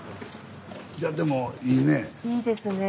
いやでもいいねえ。